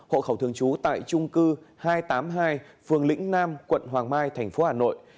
hộ khẩu thường trú tại trung cư hai trăm tám mươi hai phường lĩnh nam quận hoàng mai thành phố hà nội